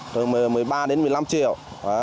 từ mười ba đến mười lăm triệu